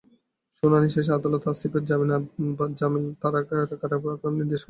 শুনানি শেষে আদালত আসিফের জামিন বাতিল করে তাঁকে কারাগারে পাঠানোর নির্দেশ দেন।